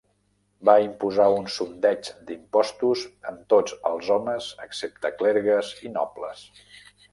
Va imposar un sondeig d'impostos en tots els homes excepte clergues i nobles.